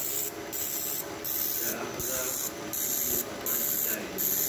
دا آخذه په پوستکي او غوږ کې ځای لري.